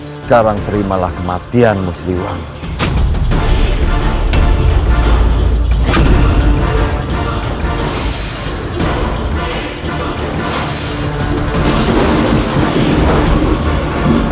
sekarang terimalah kematianmu sri luanya